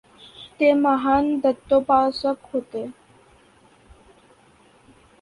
ते महान दत्तोपासक होते.